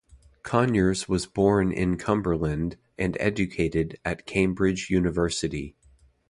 Conyers was born in Cumberland and educated at Cambridge University.